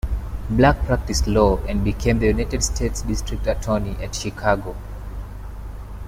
Black practiced law and became the United States District Attorney at Chicago.